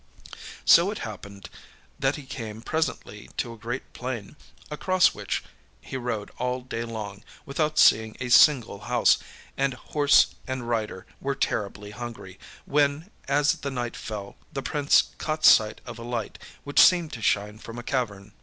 So it happened that he came presently to a great plain, across which he rode all day long without seeing a single house, and horse and rider were terribly hungry, when, as the night fell, the Prince caught sight of a light, which seemed to shine from a cavern.